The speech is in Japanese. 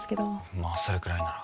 まあそれくらいなら。